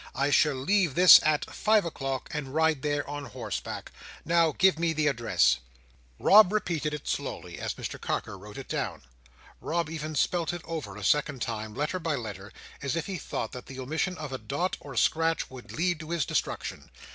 I shall leave this at five o'clock, and ride there on horseback. Now, give me the address." Rob repeated it slowly, as Mr Carker wrote it down. Rob even spelt it over a second time, letter by letter, as if he thought that the omission of a dot or scratch would lead to his destruction.